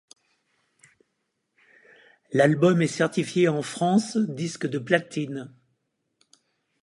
L'album est certifié en France disque de platine.